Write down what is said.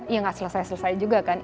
ya nggak selesai selesai juga kan